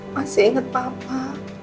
masih inget papa